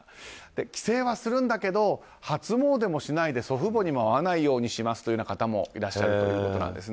帰省はするんだけど初詣もしないで、祖父母にも会わないようにしますという方もいらっしゃるということなんです。